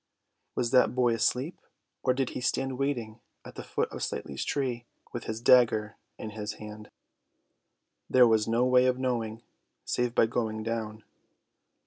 Was that boy asleep, or did he stand waiting at the foot of Slightly's tree, with his dagger in his hand? There was no way of knowing, save by going down.